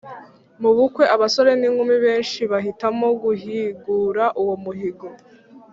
mu bukwe abasore n inkumi benshi bahitamo guhigura uwo muhigo